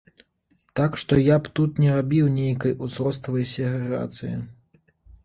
Так што я б тут не рабіў нейкай узроставай сегрэгацыі.